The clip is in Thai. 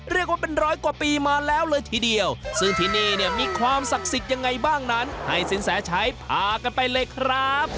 เรียกว่าเป็นร้อยกว่าปีมาแล้วเลยทีเดียวซึ่งที่นี่เนี่ยมีความศักดิ์สิทธิ์ยังไงบ้างนั้นให้สินแสชัยพากันไปเลยครับ